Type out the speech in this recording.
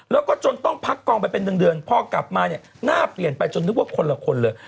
แล้วก็จนต้องพักกองไปเป็นเดือนพอกลับมาเนี่ยหน้าเปลี่ยนไปจนนึกว่าคนละคนเลย